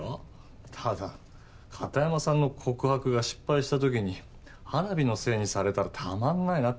ただ片山さんの告白が失敗した時に花火のせいにされたらたまんないなって。